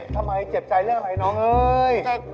ทำไมเจ็บใจเรื่องอะไรน้องเอ้ย